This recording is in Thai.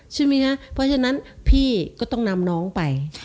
ใช่ไหมคะเพราะฉะนั้นพี่ก็ต้องนำน้องไป